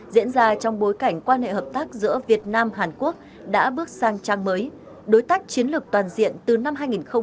diễn ra trong bối cảnh quan hệ hợp tác giữa việt nam hàn quốc đã bước sang trang mới đối tác chiến lược toàn diện từ năm hai nghìn một mươi